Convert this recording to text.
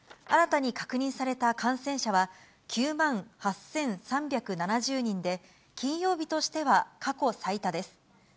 新たに確認された感染者は、９万８３７０人で、金曜日としては過去最多です。